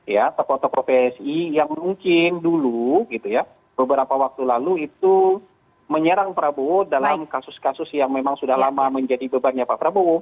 ya tokoh tokoh psi yang mungkin dulu gitu ya beberapa waktu lalu itu menyerang prabowo dalam kasus kasus yang memang sudah lama menjadi bebannya pak prabowo